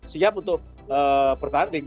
siap untuk bertanding